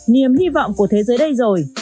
niềm hy vọng của thế giới đây rồi